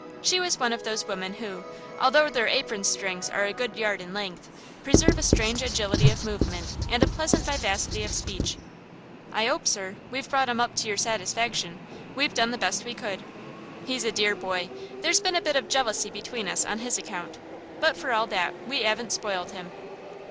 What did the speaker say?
She was one of those women who, although their apron strings are a good yard in length, preserve a strange agility of movement and a pleasant vivacity of speech. "I 'ope, sir, we've brought 'im up to your satisfaction; we've done the best we could. He's a dear boy. There's been a bit of jealousy between us on his account, but for all that we 'aven't spoilt him.